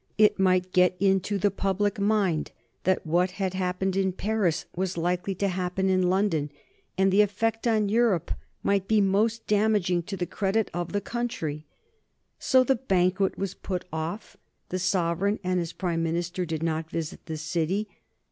It might get into the public mind that what had happened in Paris was likely to happen in London, and the effect on Europe might be most damaging to the credit of the country. So the banquet was put off; the sovereign and his Prime Minister did not visit the City.